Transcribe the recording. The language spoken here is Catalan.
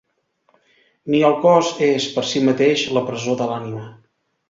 Ni el cos és, per si mateix, la presó de l'ànima.